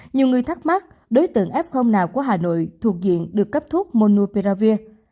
nhiều người thắc mắc đối tượng f nào của hà nội thuộc diện được cấp thuốc monuperavir